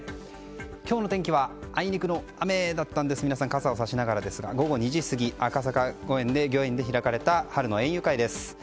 今日の天気はあいにくの雨だったんですが皆さん傘をさしながらですが午後２時過ぎ、赤坂御苑で開かれた春の園遊会です。